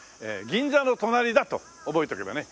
銀座の隣だと覚えておけばね